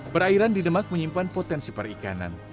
perairan di demak menyimpan potensi perikanan